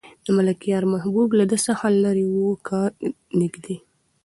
د ملکیار محبوب له ده څخه لرې و که نږدې؟